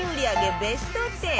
ベスト１０